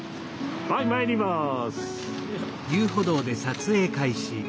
はいまいります。